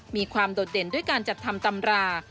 โดดเด่นด้วยการจัดทำตำรา